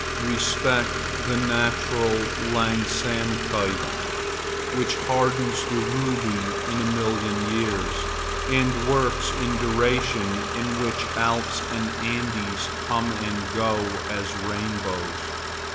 Respect the naturlangsamkeit which hardens the ruby in a million years, and works in duration in which Alps and Andes come and go as rainbows.